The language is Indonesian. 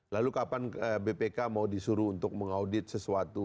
lalu kapan bpk mau disuruh untuk mengaudit sesuatu